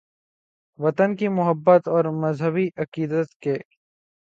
، وطن کی محبت اور مذہبی عقیدت کے